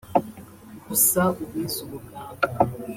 gusa uwize ubuganga